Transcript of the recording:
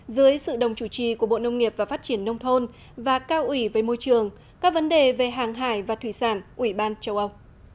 dưới sự đồng chủ trì của bộ nông nghiệp và phát triển nông thôn và cao ủy với môi trường các vấn đề về hàng hải và thủy sản ủy ban châu âu